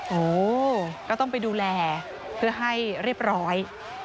โอ้โหก็ต้องไปดูแลเพื่อให้เรียบร้อย